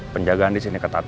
penjagaan disini ketat